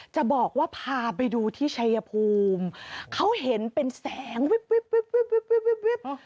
จะบอกว่าพาไปดูที่ชัยภูมิเขาเห็นเป็นแสงวิบวิบ